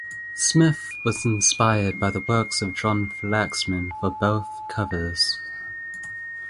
Smith was inspired by the works of John Flaxman for both covers.